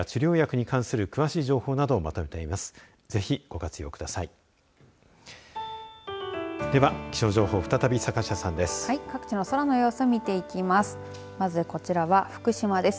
では気象情報再び坂下さんです。